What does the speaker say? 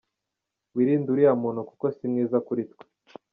Wirinde uriya muntu kuko si mwiza kuritwe.